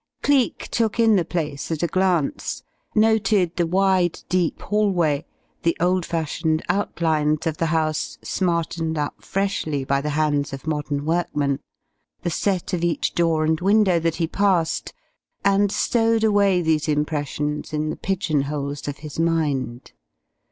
Cleek took in the place at a glance. Noted the wide, deep hallway; the old fashioned outlines of the house, smartened up freshly by the hands of modern workmen; the set of each door and window that he passed, and stowed away these impressions in the pigeon holes of his mind.